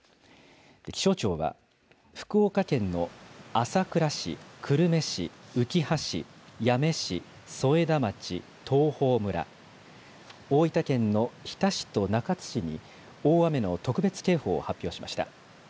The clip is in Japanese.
気象庁は、福岡県の朝倉市、久留米市、うきは市、八女市、添田町、東峰村、大分県の日田市と中津市に、大雨の特別警報を発表しました。